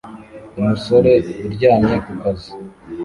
Umusore uryamye ku kazi